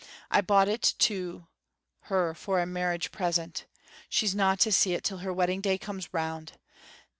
I bought it to her for a marriage present. She's no' to see it till her wedding day comes round.